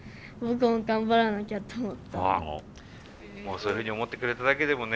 そういうふうに思ってくれただけでもね